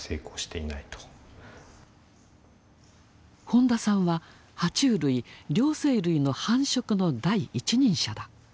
本田さんはは虫類両生類の繁殖の第一人者だ。